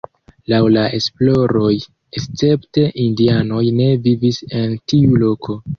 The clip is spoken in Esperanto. Laŭ la esploroj escepte indianoj ne vivis en tiu loko.